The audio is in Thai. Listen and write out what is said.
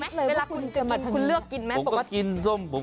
คุณเลือกไหมเวลาคุณกำลังทำงาน